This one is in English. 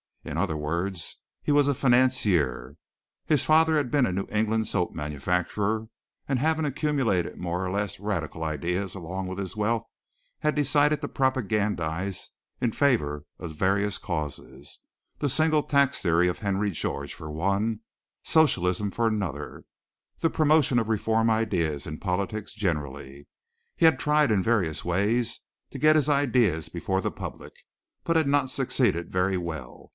In other words, he was a financier. His father had been a New England soap manufacturer, and having accumulated more or less radical ideas along with his wealth, had decided to propagandize in favor of various causes, the Single Tax theory of Henry George for one, Socialism for another, the promotion of reform ideas in politics generally. He had tried in various ways to get his ideas before the public, but had not succeeded very well.